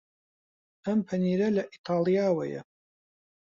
ئەم پەنیرە لە ئیتاڵیاوەیە.